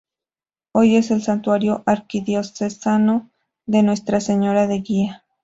Hoy es el Santuario Arquidiocesano de Nuestra Señora de Guía.